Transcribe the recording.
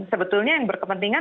sebetulnya yang berkepentingan